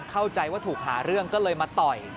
เข้าใจว่าถูกหาเรื่องก็เลยมาต่อย